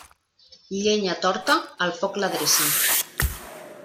Llenya torta, el foc l'adreça.